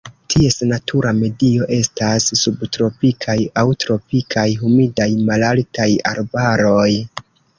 Ties natura medio estas subtropikaj aŭ tropikaj humidaj malaltaj arbaroj.